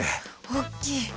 おっきい！